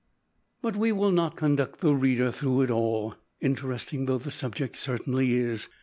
But we will not conduct the reader through it all interesting though the subject certainly is.